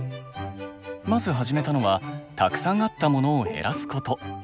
まず始めたのはたくさんあったモノを減らすこと。